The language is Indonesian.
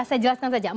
saya jelaskan saja